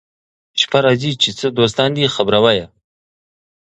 شپه راځي چي څه دوستان دي خبروه يې